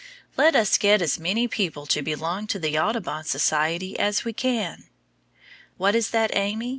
Let us get as many people to belong to the Audubon Society as we can. What is that, Amy?